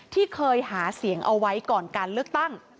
ที่เคยหาเสียงเอาไว้ก่อนการเลือกตั้ง